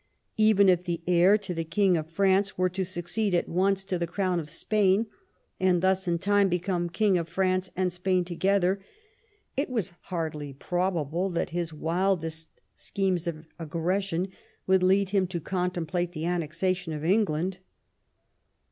Even if the heir to the King of France were to succeed at once to the crown of Spain, and thus in time become King of France and Spain together, it was hardly probable that his wildest schemes of aggression would lead him to contemplate the annexation of England.